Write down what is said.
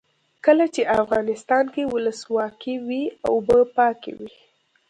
کله چې افغانستان کې ولسواکي وي اوبه پاکې وي.